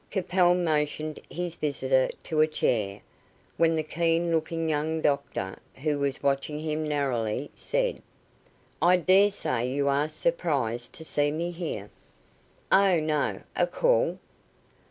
Capel motioned his visitor to a chair, when the keen looking young doctor, who was watching him narrowly, said: "I dare say you are surprised to see me here." "Oh, no. A call?"